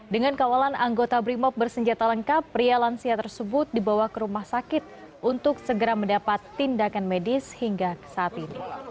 dengan kawalan anggota brimob bersenjata lengkap pria lansia tersebut dibawa ke rumah sakit untuk segera mendapat tindakan medis hingga saat ini